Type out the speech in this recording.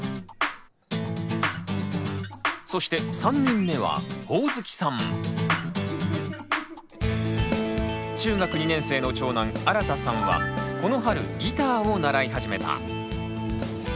そして３人目は中学２年生の長男あらたさんはこの春ギターを習い始めた。